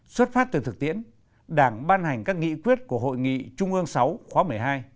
xuất phát từ thực tiễn đảng ban hành các nghị quyết của hội nghị trung ương sáu khóa một mươi hai